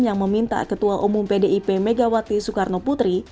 yang meminta ketua umum pdip megawati soekarno putri